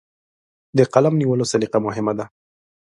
د قلم نیولو سلیقه مهمه ده.